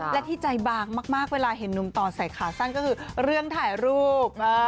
และที่ใจบางมากเวลาเห็นหนุ่มต่อใส่ขาสั้นก็คือเรื่องถ่ายรูป